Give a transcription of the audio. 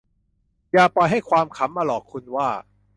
อย่าปล่อยให้ความขำมาหลอกคุณว่า